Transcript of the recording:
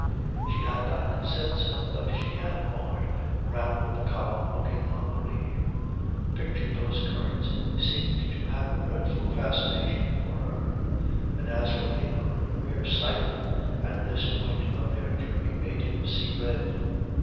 She had not said so, but she had hovered round the column looking hungry. Picture postcards seemed to have a dreadful fascination for her; and as for Ingram, the mere sight of them at this point of their journey made him see red.